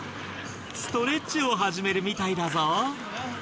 ストレッチを始めるみたいだぞ？